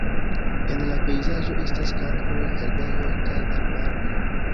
En la pejzaĝo estas kampoj, herbejoj kaj arbaroj.